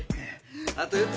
あと４つ！